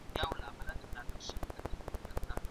په خپله مېنه کي اوسېږي پکښي اور نه لري